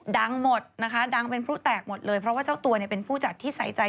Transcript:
ดังหมดนะคะดังเป็นพลุแตกหมดเลยเพราะว่าเจ้าตัวเนี่ยเป็นผู้จัดที่ใส่ใจ